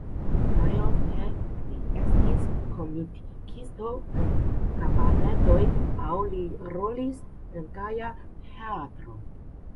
Plej ofte li estis komikisto en kabaredoj aŭ li rolis en Gaja Teatro.